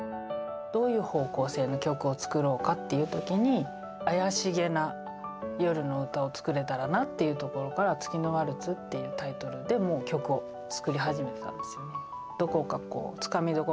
どういう方向性の曲を作ろうかっていう時に怪しげな夜の歌を作れたらなっていうところから「月のワルツ」っていうタイトルでもう曲を作り始めてたんですよね。